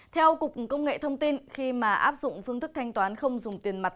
theo cục công nghệ thông tin khi mà áp dụng phương thức thanh toán không dùng tiền mặt